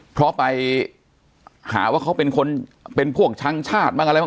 เพราะไปหาว่าเขาเป็นคนเป็นพวกช้างชาติบ้างอะไรบ้าง